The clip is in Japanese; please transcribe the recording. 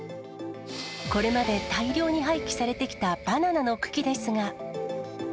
これまで大量に廃棄されてきたバナナの茎ですが。